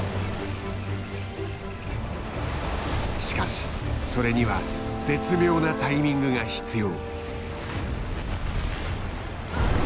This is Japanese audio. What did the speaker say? しかしそれには絶妙なタイミングが必要。